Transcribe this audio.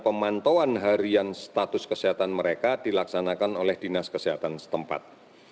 pemantauan harian status kesehatan mereka dilaksanakan oleh dinas kesehatan setempat